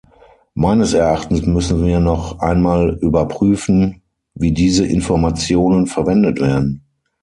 Meines Erachtens müssen wir noch einmal überprüfen, wie diese Informationen verwendet werden.